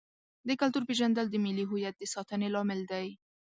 د کلتور پیژندل د ملي هویت د ساتنې لامل دی.